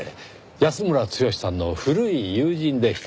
安村剛さんの古い友人でして。